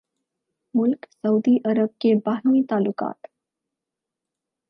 ملک سعودی عرب کے باہمی تعلقات